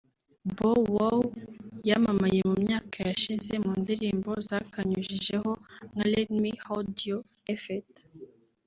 Bow Wow yamamaye mu myaka yashize mu ndirimbo zakanyujijeho nka Let Me Hold You ft